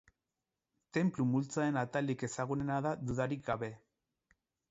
Tenplu multzoaren atalik ezagunena da dudarik gabe.